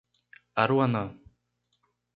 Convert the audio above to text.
Aruanã